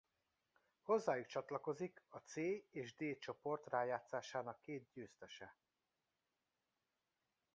Hozzájuk csatlakozik a C és D csoport rájátszásának két győztese.